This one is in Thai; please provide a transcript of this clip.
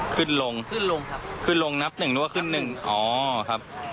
ขึ้นลงขึ้นลงนับ๑หรือว่าขึ้น๑อ๋อครับ